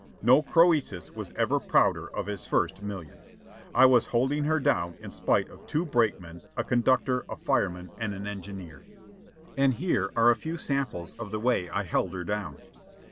No Croesus was ever prouder of his first million. I was holding her down in spite of two brakemen, a conductor, a fireman, and an engineer. And here are a few samples of the way I held her down.